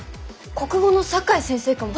国語の酒井先生かも。